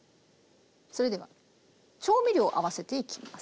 それでは調味料を合わせていきます。